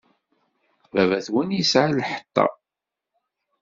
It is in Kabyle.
Baba-twen yesɛa lḥeṭṭa.